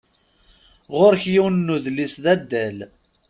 Ɣur-k yiwen n udlis d adal.